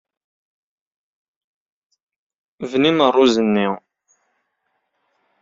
Bnin rruẓ-nni.